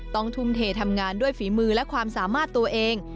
ทุ่มเททำงานด้วยฝีมือและความสามารถตัวเอง